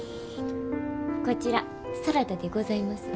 こちらサラダでございます。